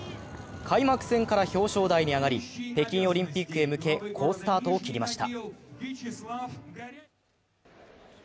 開幕戦から表彰台に上がり、北京オリンピックへ向け、好スタートを切りました。